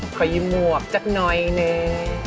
ขอยิ้มหมวกจั๊บหน่อยนี่